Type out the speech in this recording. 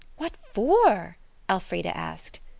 "What for?" Elfrida asked.